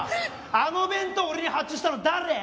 あの弁当を俺に発注したの誰？